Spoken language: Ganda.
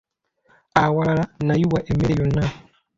Awalala n'ayiwa emmere yonna.